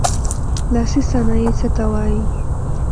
لاسي صنایع څه ته وايي.